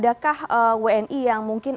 adakah wni yang mungkin